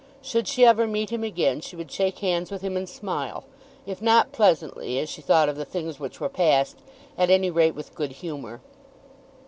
Should she ever meet him again she would shake hands with him and smile, if not pleasantly as she thought of the things which were past, at any rate with good humour.